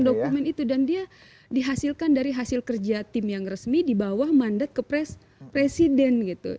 sangat penting dokumen itu dan dia dihasilkan dari hasil kerja tim yang resmi dibawah mandat ke presiden gitu